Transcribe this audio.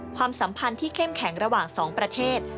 ความสัมพันธ์ที่เข้มแข็งระหว่าง๒ประเทศ